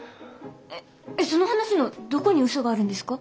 えっその話のどこに嘘があるんですか？